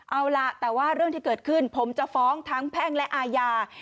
เอาล่ะแต่ว่าเรื่องที่เกิดขึ้นผมจะฟ้องทั้งแพ่งและอาญา